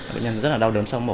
bệnh nhân rất là đau đớn sau mổ